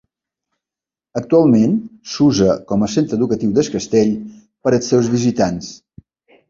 Actualment s'usa com a centre educatiu del castell per als seus visitants.